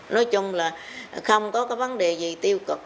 nói chung là không có cái vấn đề gì tiêu cực